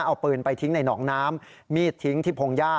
เอาปืนไปทิ้งในหนองน้ำมีดทิ้งที่พงหญ้า